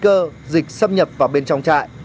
nguy cơ dịch xâm nhập vào bên trong trại